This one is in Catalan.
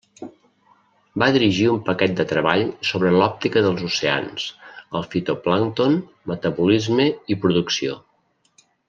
Va dirigir un paquet de treball sobre l'òptica dels oceans, el fitoplàncton, metabolisme i producció.